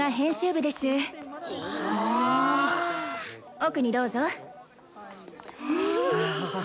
奥にどうぞ。